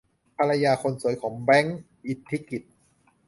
ภรรยาคนสวยของ แบงค์ อธิกิตติ์